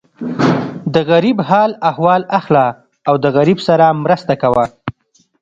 د غریب حال احوال اخله او د غریب سره مرسته کوه.